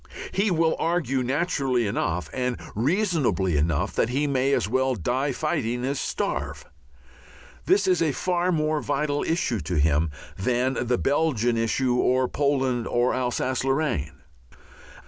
He will argue naturally enough and reasonably enough that he may as well die fighting as starve. This is a far more vital issue to him than the Belgian issue or Poland or Alsace Lorraine.